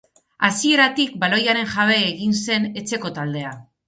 Hasieratik baloiaren jabe egin zen etxeko taldea.